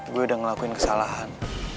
gue udah ngelakuin kesalahan